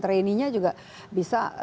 training nya juga bisa